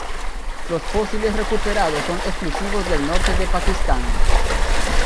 Los fósiles recuperados son exclusivos del norte de Pakistán.